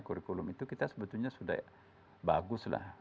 kurikulum itu kita sebetulnya sudah baguslah